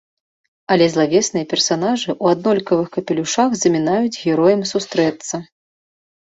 Але злавесныя персанажы ў аднолькавых капелюшах замінаюць героям сустрэцца.